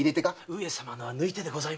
上様のは抜いてでございます。